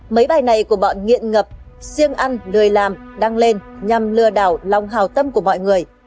mấy bài này của bọn nghiện ngập siêng ăn lười làm đăng lên nhằm lừa đảo lòng hào tâm của mọi người